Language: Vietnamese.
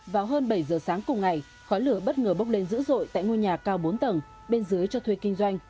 vào hơn bảy giờ sáng cùng ngày khói lửa bất ngờ bốc lên dữ dội tại ngôi nhà cao bốn tầng bên dưới cho thuê kinh doanh